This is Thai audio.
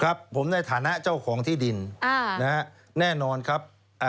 ครับผมได้ฐานะเจ้าของที่ดินนะครับแน่นอนครับ